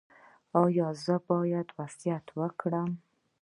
ایا زه باید وصیت وکړم؟